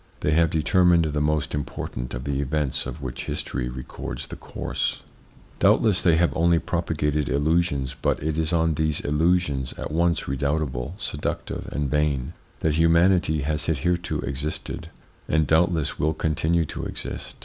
They have determined the most important of the events of which history records the course. Doubtless they have only propagated illusions, but it is on these illusions, at once redoubtable, seductive, and vain, that humanity has hitherto existed, and doubtless will continue to exist.